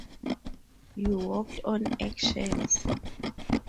You walked on eggshells.